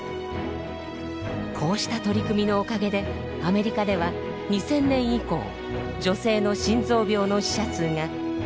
こうした取り組みのおかげでアメリカでは２０００年以降女性の心臓病の死者数が２０％以上減りました。